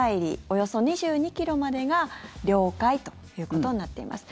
およそ２２ｋｍまでが領海ということになっています。